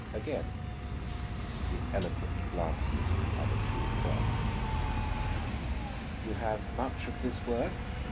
Again the eloquent glances of the other two crossed. "You have much of this work?"